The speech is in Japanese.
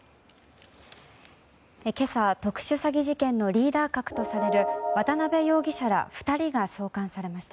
今朝、特殊詐欺事件のリーダー格とされる渡邉容疑者ら２人が送還されました。